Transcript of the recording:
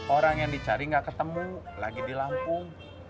orang yang dicari nggak ketemu lagi di lampung